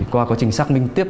qua quá trình xác minh tiếp